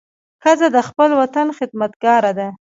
ښځه د خپل وطن خدمتګاره ده.